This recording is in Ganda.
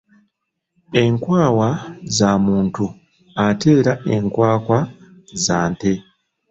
Enkwawa za muntu ate era enkwakwa za nte.